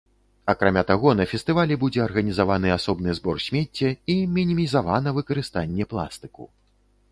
Акрамя таго, на фестывалі будзе арганізаваны асобны збор смецця і мінімізавана выкарыстанне пластыку.